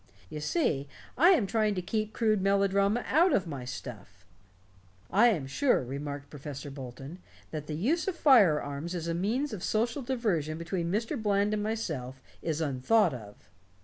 You see, I am trying to keep crude melodrama out of my stuff." "I am sure," remarked Professor Bolton, "that the use of firearms as a means of social diversion between Mr. Bland and myself is unthought of."